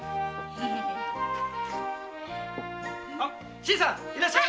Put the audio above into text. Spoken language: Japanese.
新さんいらっしゃい。